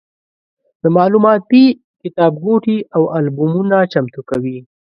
د معلوماتي کتابګوټي او البومونه چمتو کوي.